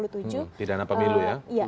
di dana pemilu ya